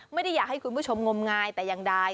ไม่ได้อยากให้คุณผู้ชมงมงายแต่อย่างใด